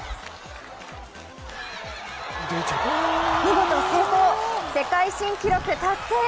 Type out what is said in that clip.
見事成功、世界新記録達成。